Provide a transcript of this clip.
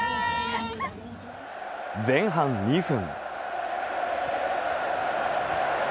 前半２分。